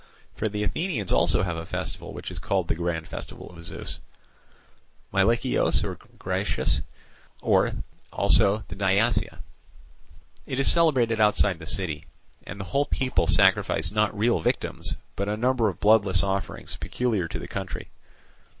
For the Athenians also have a festival which is called the grand festival of Zeus Meilichios or Gracious, viz., the Diasia. It is celebrated outside the city, and the whole people sacrifice not real victims but a number of bloodless offerings peculiar to the country.